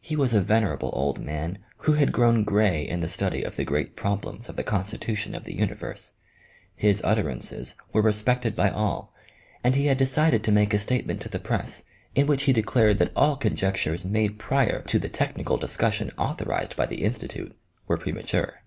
He was a venerable old man who had grown gray in the study of the great problems of the constitution of the universe. His utterances were respected by all, and he had decided to make a statement to the press in which he declared that all conjectures, made prior to the tech nical discussion authorized by the Institute, were prema ture.